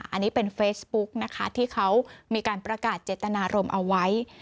อันนี้เป็นเฟซบุ๊กนะคะที่เขามีการประกาศเจตนารมณ์เอาไว้